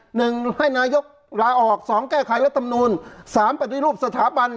๑ให้นายกราออก๒แก้ไขและตำนูล๓ปฏิรูปสถาบัน